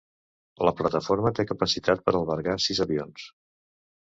La plataforma té capacitat per albergar sis avions.